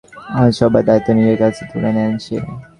বাড়ির একমাত্র মেয়ে হওয়ায় বাড়ির সবার দায়িত্ব নিজের কাঁধে তুলে নেয় সে।